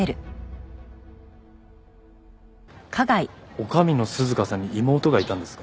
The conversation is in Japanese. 女将の涼花さんに妹がいたんですか？